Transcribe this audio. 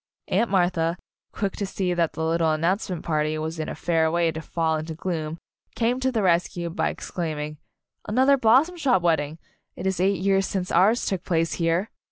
Aunt Martha, quick to see that the lit tle announcement party was in a fair way to fall into gloom, came to the rescue by exclaiming, "Another Blossom Shop wed ding I It is eight years since ours took place here!"